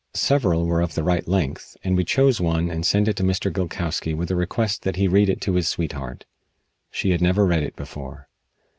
Several were of the right length, and we chose one and sent it to Mr. Gilkowsky with a request that he read it to his sweetheart. She had never read it before.